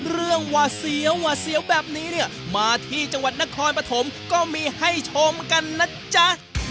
หวาเสียวหวาเสียวแบบนี้เนี่ยมาที่จังหวัดนครปฐมก็มีให้ชมกันนะจ๊ะ